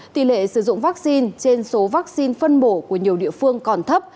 tỷ lệ sử dụng vaccine trên số vaccine phân bổ của nhiều địa phương còn thấp